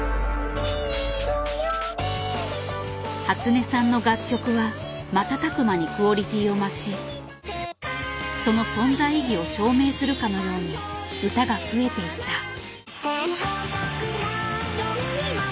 初音さんの楽曲は瞬く間にクオリティーを増しその存在意義を証明するかのように歌が増えていった。